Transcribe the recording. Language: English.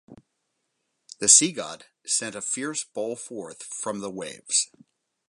The sea-god sent a fierce bull forth from the waves.